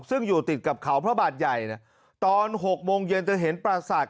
ซึ่งอยู่ติดกับเขาพระบาทใหญ่ตอน๖โมงเย็นจะเห็นปราศาสต